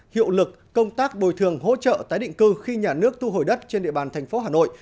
hiệu lực công tác bồi thường hỗ trợ tái định cư khi nhà nước thu hồi đất trên địa bàn thành phố hà nội